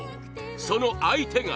その相手が